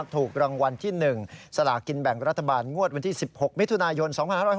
ถูกรางวัลที่๑สลากินแบ่งรัฐบาลงวดวันที่๑๖มิถุนายน๒๕๖๖